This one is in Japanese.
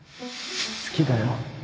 好きだよ